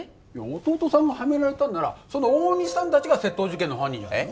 弟さんがハメられたんなら大西さん達が窃盗事件の犯人じゃない？